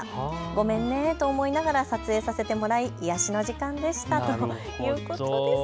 ごめんねと思いながら撮影させてもらい、癒やしの時間でしたということです。